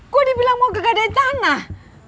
gue dibilang mau gegadahin tanah